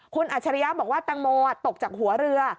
คุณอัจฉริยะบอกว่าแตงโมตกจากหัวเรือ